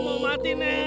saya belum mau mati nek